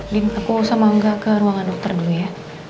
din aku sama angga ke ruangan dokter dulu ya